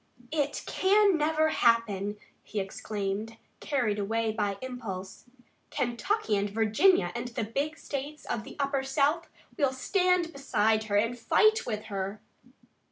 "It can never happen!" he exclaimed, carried away by impulse. "Kentucky and Virginia and the big states of the Upper South will stand beside her and fight with her!"